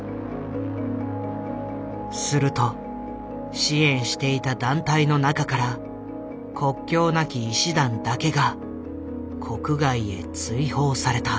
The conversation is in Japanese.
すると支援していた団体の中から国境なき医師団だけが国外へ追放された。